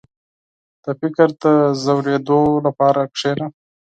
• د فکر د ژورېدو لپاره کښېنه.